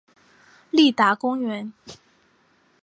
立达公园。